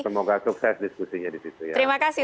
semoga sukses diskusinya disitu ya